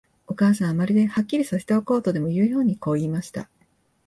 お母さんは、まるで、はっきりさせておこうとでもいうように、こう言いました。